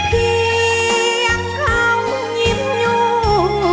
ที่ยังเข้างิมอยู่